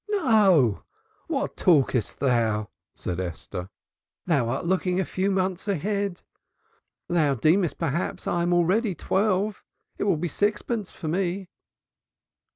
"No, what talkest thou?" said Esther. "Thou art looking a few months ahead thou deemest perhaps, I am already twelve. It will be only sixpence for me."